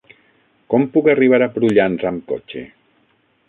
Com puc arribar a Prullans amb cotxe?